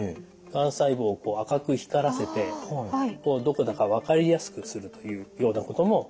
がん細胞を赤く光らせてどこだか分かりやすくするというようなことも。